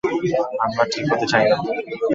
আমরা ঠিক হতে চাই না।